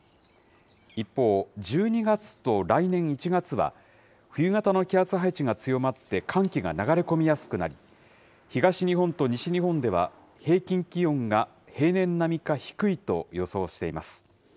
一方、１２月と来年１月は、冬型の気圧配置が強まって寒気が流れ込みやすくなり、東日本と西日本では、平均気温が平年並みか低いと予想しています。